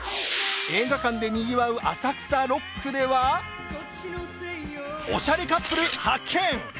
映画館で賑わう浅草六区ではおしゃれカップル発見！